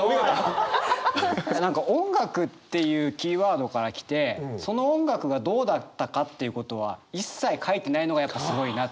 何か「音楽」っていうキーワードから来てその音楽がどうだったかっていうことは一切書いてないのがやっぱすごいな。